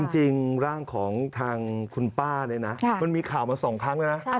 จริงร่างของทางคุณป้าเนี่ยนะมันมีข่าวมา๒ครั้งแล้วนะ